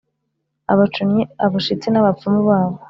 abacunnyi, abashitsi n’abapfumu babo.